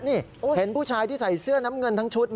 นี่เห็นผู้ชายที่ใส่เสื้อน้ำเงินทั้งชุดไหม